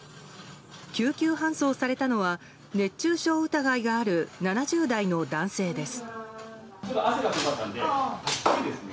救急搬送のは熱中症疑いがある７０代の男性です。